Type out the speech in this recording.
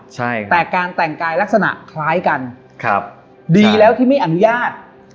ใช่แต่การแต่งกายลักษณะคล้ายกันครับดีแล้วที่ไม่อนุญาต